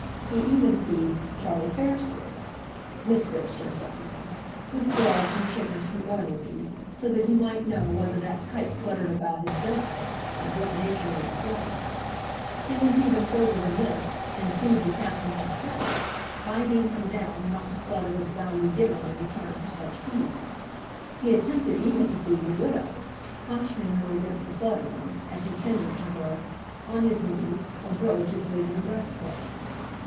He even fee'd Charlie Fairstairs, Miss Fairstairs I mean, with gloves, and chickens from Oileymead, so that he might know whether that kite fluttered about his dovecoat, and of what nature were the flutterings. He went even further than this, and fee'd the Captain himself, binding him down not to flutter as value given in return for such fees. He attempted even to fee the widow, cautioning her against the fluttering, as he tendered to her, on his knees, a brooch as big as a breast plate.